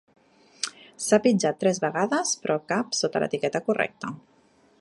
S"ha pitjat tres vegades, però cap sota l"etiqueta correcta.